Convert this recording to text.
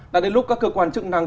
đã đến lúc các cơ quan chức năng